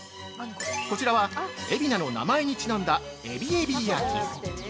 こちらは海老名の名前にちなんだ「えびえび焼き」。